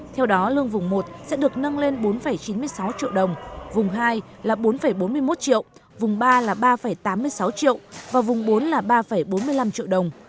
theo đó lương vùng một sẽ được nâng lên bốn chín mươi sáu triệu đồng vùng hai là bốn bốn mươi một triệu vùng ba là ba tám mươi sáu triệu và vùng bốn là ba bốn mươi năm triệu đồng